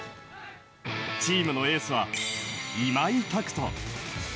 チームのエースは、今井拓人。